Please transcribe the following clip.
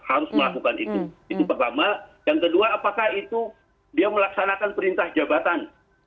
harus melakukan itu itu pertama yang kedua apakah itu dia melaksanakan perintah jabatan